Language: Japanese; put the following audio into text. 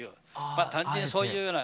まあ単純にそういうような。